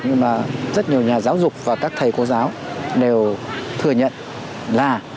nhưng mà rất nhiều nhà giáo dục và các thầy cô giáo đều thừa nhận là